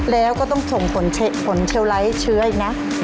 แล้วก็ต้องส่งผลเชียวไลท์เชื้ออีกนะ